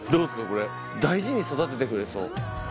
これ大事に育ててくれそう。